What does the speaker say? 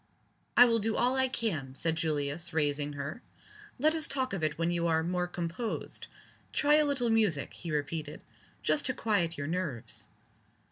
"I will do all I can," said Julius, raising her. "Let us talk of it when you are more composed. Try a little music," he repeated, "just to quiet your nerves."